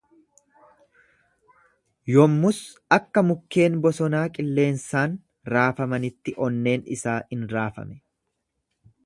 Yommus akka mukkeen bosonaa qilleensaan raafamaniitti onneen isaa in raafame.